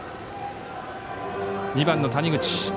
２番の谷口。